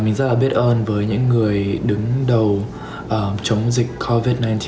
mình rất là biết ơn với những người đứng đầu chống dịch covid một mươi